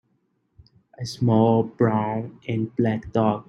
A small brown and black dog